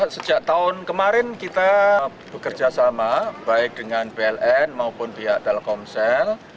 sejak tahun kemarin kita bekerja sama baik dengan pln maupun pihak telkomsel